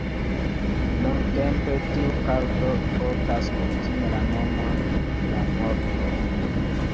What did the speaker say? Nuntempe tiu karto portas kutime la nomon "La Morto".